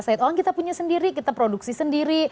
sayur kita punya sendiri kita produksi sendiri